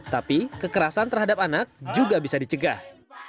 tapi kekerasan terhadap anak juga bisa dicegah